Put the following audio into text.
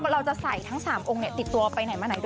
เราจะใส่ทั้งสามทีไหนมาไหน